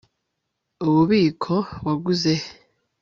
ububiko waguze he